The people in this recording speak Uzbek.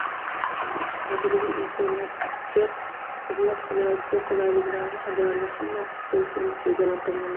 Hozirda insoniyatga xizmat qilayotgan qulayliklarning deyarli hammasi xususiy mulk egalari tomonidan yaratilgan.